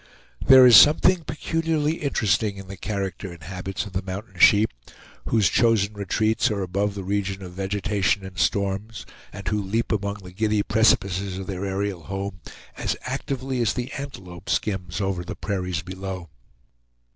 There is something peculiarly interesting in the character and habits of the mountain sheep, whose chosen retreats are above the region of vegetation and storms, and who leap among the giddy precipices of their aerial home as actively as the antelope skims over the prairies below.